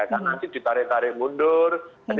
karena nanti ditarik tarik mundur